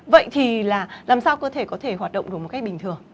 vậy thì là làm sao cơ thể có thể hoạt động được một cách bình thường